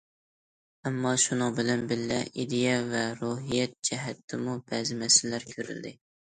ئەمما، شۇنىڭ بىلەن بىللە، ئىدىيە ۋە روھىيەت جەھەتتىمۇ بەزى مەسىلىلەر كۆرۈلدى.